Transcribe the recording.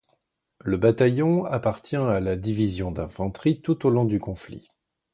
Le bataillon appartient à la division d'infanterie tout au long du conflit.